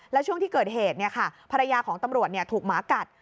แล้วช่วงที่เกิดเหตุภรรยาของตำรวจถูกหมากัด